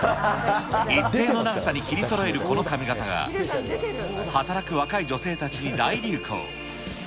一定の長さに切りそろえるこの髪形が、働く若い女性たちに大流行。